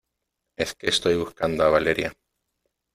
es que estoy buscando a Valeria .